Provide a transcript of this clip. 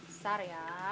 cukup besar ya